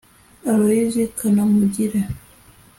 Aloys Kanamugire